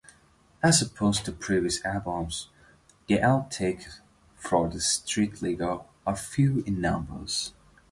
As opposed to previous albums, the outtakes for "Street-Legal" are few in number.